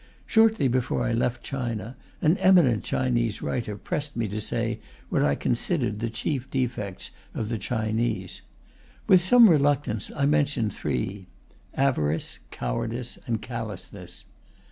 Shortly before I left China, an eminent Chinese writer pressed me to say what I considered the chief defects of the Chinese. With some reluctance, I mentioned three: avarice, cowardice and callousness.